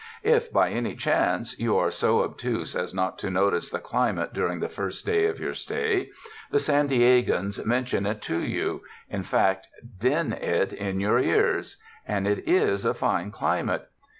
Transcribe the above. If, by any chance, you are so obtuse as not to notice the climate during the first day of your stay, the San Diegans mention it to you — in fact, din it in your ears; and it is a fine climate.